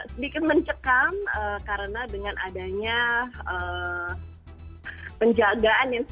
sedikit mencekam karena dengan adanya penjagaan yang